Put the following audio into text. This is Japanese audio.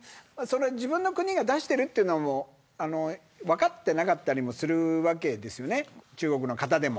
自分の国が出しているというのも分かってなかったりもするわけですよね中国の方でも。